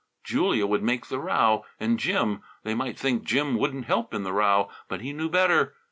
Julia would make the row. And Jim. They might think Jim wouldn't help in the row, but he knew better.